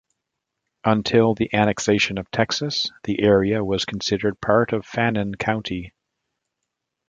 Until the annexation of Texas, the area was considered part of Fannin County.